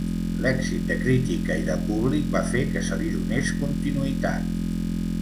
L'èxit de crítica i de públic va fer que se li donés continuïtat.